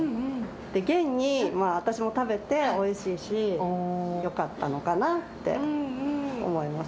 現に私も食べておいしいし、よかったのかなって思います。